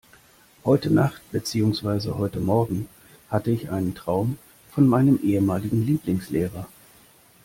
Heute Nacht, beziehungsweise heute Morgen hatte ich einen Traum von meinem ehemaligen Lieblingslehrer.